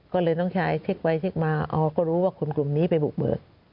ก็เลยน้องชายเช็คไปเช็คมาอ๋อก็รู้ว่าคนกลุ่มนี้ไปบุกเบิก